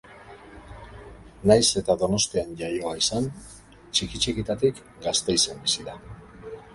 Nahiz eta Donostian jaioa izan, txiki-txikitatik Gasteizen bizi da.